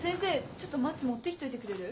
ちょっとマッチ持ってきといてくれる？